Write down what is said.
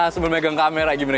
sebelum megang kamera gimana